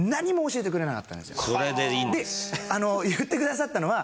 で言ってくださったのは。